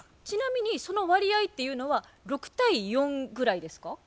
ちなみにその割合っていうのは６対４ぐらいですか？